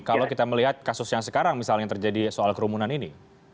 kalau kita melihat kasus yang sekarang misalnya yang terjadi soal kerumunan ini